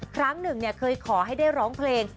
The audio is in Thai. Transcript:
ครั้งหนึ่งเคยขอให้ได้ร้องเพลง